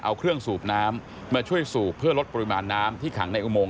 เอาเครื่องสูบน้ำมาช่วยสูบเพื่อลดปริมาณน้ำที่ขังในอุโมง